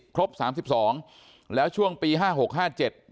ครบสามสิบสองแล้วช่วงปีห้าหกห้าเจ็ด